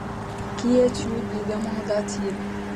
Qui es-tu ? lui demanda-t-il.